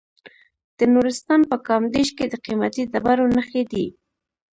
د نورستان په کامدیش کې د قیمتي ډبرو نښې دي.